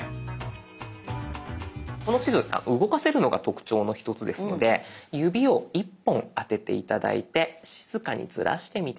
この地図動かせるのが特徴の１つですので指を１本当てて頂いて静かにズラしてみて下さい。